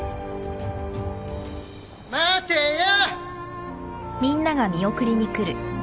・待てよ！